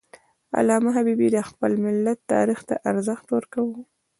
علامه حبیبي د خپل ملت تاریخ ته ارزښت ورکاوه.